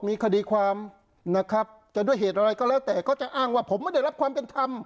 มีคดีความด้วยเหตุอะไรก็อ้างว่าผมไม่ได้รับความเป็นธรรม